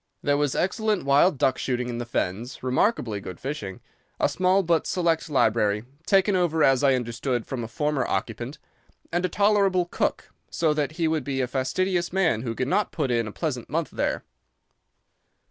There was excellent wild duck shooting in the fens, remarkably good fishing, a small but select library, taken over, as I understood, from a former occupant, and a tolerable cook, so that he would be a fastidious man who could not put in a pleasant month there.